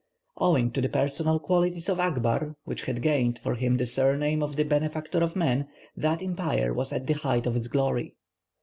Owing to the personal qualities of Akbar, which had gained for him the surname of the Benefactor of Man, that empire was at the height of its glory.